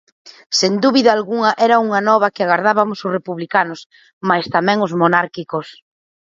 Sen dúbida algunha era unha nova que agardabamos os republicanos, mais tamén os monárquicos.